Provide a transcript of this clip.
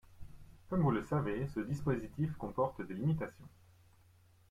Comme vous le savez, ce dispositif comporte des limitations.